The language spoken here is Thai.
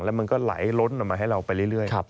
แล้วมันก็ไหลล้นออกมาให้เราไปเรื่อย